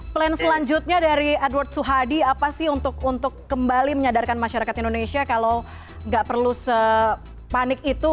plan selanjutnya dari edward suhadi apa sih untuk kembali menyadarkan masyarakat indonesia kalau nggak perlu sepanik itu